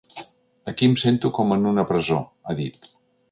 Aquí em sento com en una presó, ha dit.